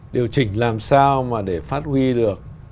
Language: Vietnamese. điều chỉnh làm sao mà để phát huy được